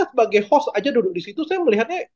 sebagai host aja duduk disitu saya melihatnya